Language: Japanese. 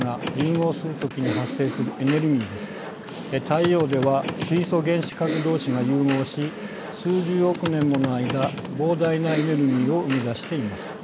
太陽では水素原子核同士が融合し数十億年もの間膨大なエネルギーを生み出しています。